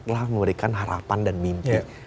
telah memberikan harapan dan mimpi